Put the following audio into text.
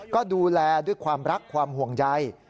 ก็ดูแลด้วยความรักความห่วงใย